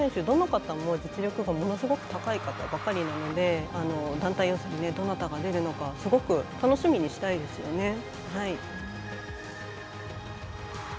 どの方も実力がものすごく高い方ばかりなので団体予選、どなたが出るのかすごい楽しみにしたいですね。